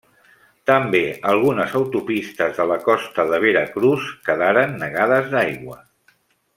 També algunes autopistes de la costa de Veracruz quedaren negades d'aigua.